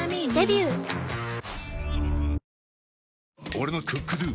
俺の「ＣｏｏｋＤｏ」！